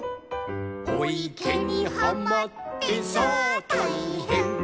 「おいけにはまってさあたいへん」